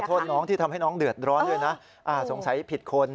โทษน้องที่ทำให้น้องเดือดร้อนด้วยนะสงสัยผิดคน